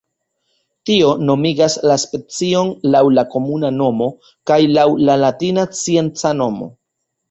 Tio nomigas la specion laŭ la komuna nomo kaj laŭ la latina scienca nomo.